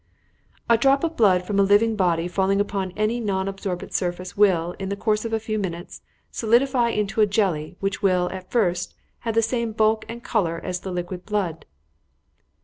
"A drop of blood from a living body falling upon any non absorbent surface will, in the course of a few minutes, solidify into a jelly which will, at first, have the same bulk and colour as the liquid blood."